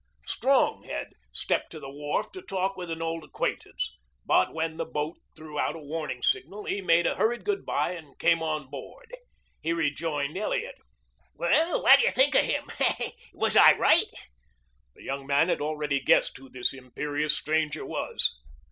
Strong had stepped to the wharf to talk with an old acquaintance, but when the boat threw out a warning signal he made a hurried good bye and came on board. He rejoined Elliot. "Well, what d'you think of him? Was I right?" The young man had already guessed who this imperious stranger was.